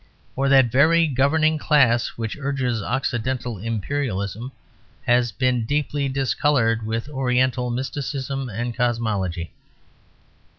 For that very governing class which urges Occidental Imperialism has been deeply discoloured with Oriental mysticism and Cosmology.